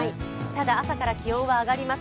ただ朝から気温は上がります。